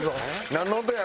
なんの音や？